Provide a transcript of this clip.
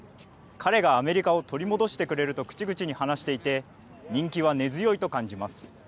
彼がアメリカを取り戻してくれると口々に話していて、人気は根強いと感じます。